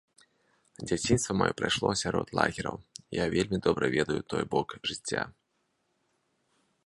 Дзяцінства маё прайшло сярод лагераў, я вельмі добра ведаў той бок жыцця.